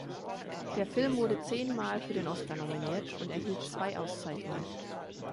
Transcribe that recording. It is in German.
Der Film wurde zehnmal für den Oscar nominiert und erhielt zwei Auszeichnungen.